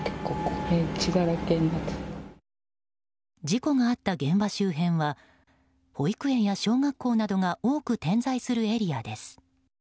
事故があった現場周辺は保育園や小学校などが多く点在するエリアです。